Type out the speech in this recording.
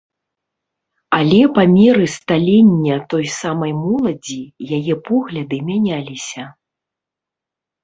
Але па меры сталення той самай моладзі, яе погляды мяняліся.